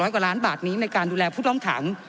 ๒๐๐กว่าร้านบาทนี้ในการดูแลพุทธล้อมถัง